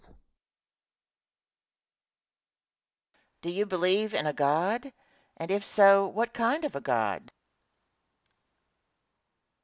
Question. Do you believe in a God; and, if so, what kind of a God?